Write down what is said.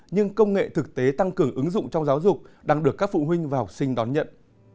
nhưng công nghệ thực tế tăng cường ứng dụng trong giáo dục đang được các phụ huynh và học sinh đón nhận